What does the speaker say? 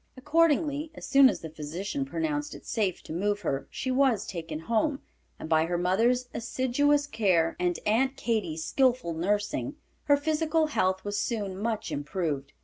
Accordingly, as soon as the physician pronounced it safe to move her, she was taken home, and by her mother's assiduous care, and Aunt Katy's skilful nursing, her physical health was soon much improved.